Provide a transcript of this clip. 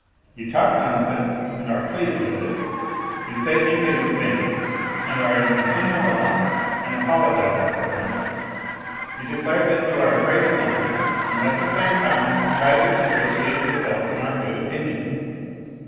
You talk nonsense and are pleased with it; you say impudent things and are in continual alarm and apologizing for them. You declare that you are afraid of nothing and at the same time try to ingratiate yourself in our good opinion.